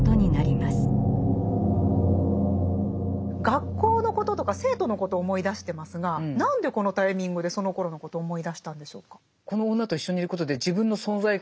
学校のこととか生徒のことを思い出してますが何でこのタイミングでそのころのことを思い出したんでしょうか？